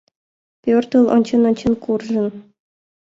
Пӧртыл ончен-ончен куржын.